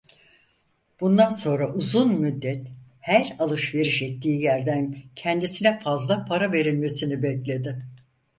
Bundan sonra uzun müddet her alışveriş ettiği yerden kendisine fazla para verilmesini bekledi.